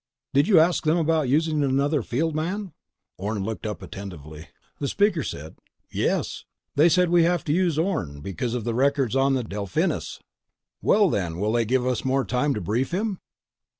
"Did you ask them about using another field man?" Orne looked up attentively. The speaker said: "Yes. They said we have to use Orne because of the records on the Delphinus." "Well then, will they give us more time to brief him?"